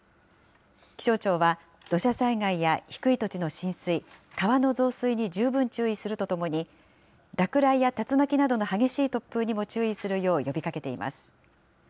気象庁は、土砂災害や低い土地の浸水、川の増水に十分注意するとともに、落雷や竜巻などの激しい突風にも注意するよう呼びかけています。